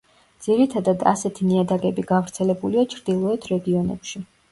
ძირითადად ასეთი ნიადაგები გავრცელებულია ჩრდილოეთ რეგიონებში.